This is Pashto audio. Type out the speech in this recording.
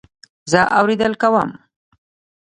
زه اورېدل کوم